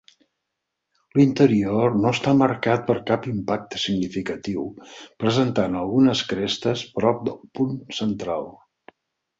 L'interior no està marcat per cap impacte significatiu, presentant algunes crestes prop del punt central.